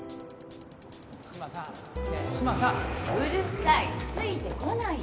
うるさい。